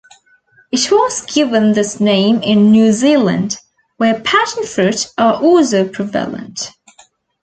It was given this name in New Zealand, where passionfruit are also prevalent.